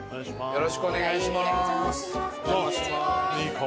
よろしくお願いします。